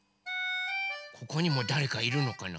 ここにもだれかいるのかな？